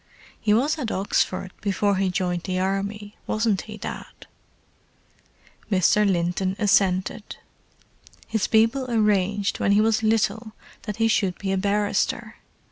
"He was at Oxford before he joined the Army, wasn't he, Dad?" Mr. Linton assented. "His people arranged when he was little that he should be a barrister.